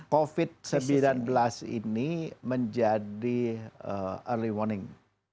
covid sembilan belas ini menjadi early warning